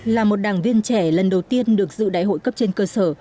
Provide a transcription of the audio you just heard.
là một đảng viên trẻ lần đầu tiên được dự đại hội cấp trên cơ sở